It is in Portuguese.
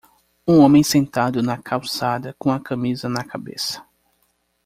Um homem sentado na calçada com a camisa na cabeça.